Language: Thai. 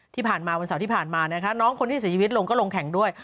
ที่ผ่านมาวันเสาร์ที่ผ่านมานะคะน้องคนที่เสียชีวิตลงก็ลงแข่งด้วย